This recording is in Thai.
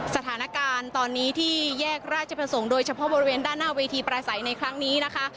สถานการณ์ตอนนี้ที่แยกราชประสงค์โดยเฉพาะบริเวณด้านหน้าเวทีประสัยในครั้งนี้นะคะ